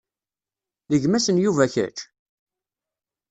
D gma-s n Yuba kečč?